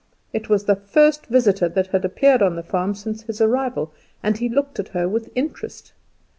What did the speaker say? It was the first visitor that had appeared on the farm since his arrival, and he looked at her with interest.